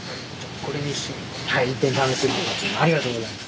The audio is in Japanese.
ありがとうございます。